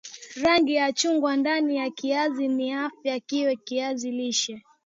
rangi ya chungwa ndani ya kiazi ndio hufanya kiwe kiazi lishe